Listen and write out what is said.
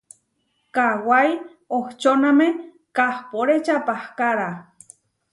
Kawái ohčóname kahpóre čapahkára.